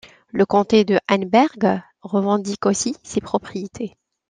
Le comté de Henneberg revendique aussi ces propriétés.